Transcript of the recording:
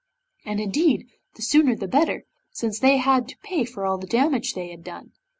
And, indeed, the sooner the better, since they had to pay for all the damage they had done.